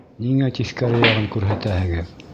Ниңә тиҫкәре яғын күрһәтәһегеҙ?